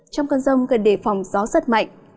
trong con rông cần đề phòng gió rất mạnh